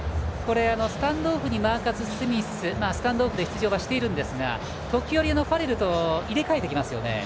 スタンドオフにマーカス・スミススタンドオフで出場はしているんですが時折ファレルと入れ替えてきますね。